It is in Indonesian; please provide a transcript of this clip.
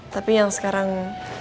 tapi yang sekarang